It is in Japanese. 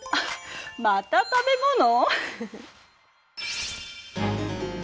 また食べ物？